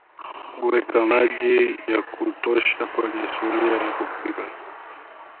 Weka maji ya kutosha kwenye sufuria ya kupikia